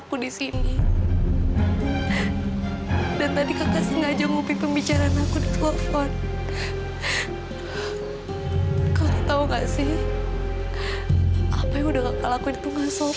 kejadiannya seperti itu